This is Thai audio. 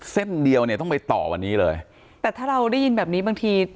เส้นเดียวเนี่ยต้องไปต่อวันนี้เลยแต่ถ้าเราได้ยินแบบนี้บางที